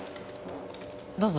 どうぞ。